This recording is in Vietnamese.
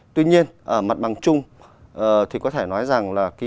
tuy nhiên ở mặt bằng chung thì có thể nói rằng là